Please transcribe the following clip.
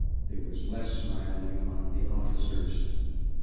(There was less smiling among the officers.)